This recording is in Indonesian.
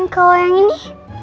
kau yang ini